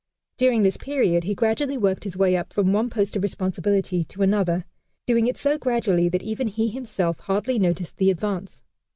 During this period he gradually worked his way up from one post of responsibility to another, doing it so gradually that even he himself hardly noticed the advance.